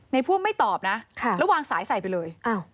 พ่วงไม่ตอบนะแล้ววางสายใส่ไปเลย